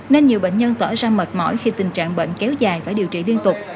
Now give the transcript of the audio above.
nên nhiều bệnh nhân tỏ ra mệt mỏi khi tình trạng bệnh kéo dài phải điều trị liên tục